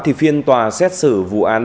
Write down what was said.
thì phiên tòa xét xử vụ an